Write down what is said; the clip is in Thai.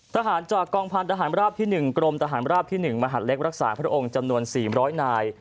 ทหารจากกองพันธหารราบที่๑กรมทหารราบที่๑มหาดเล็กรักษาพระองค์จำนวน๔๐๐นาย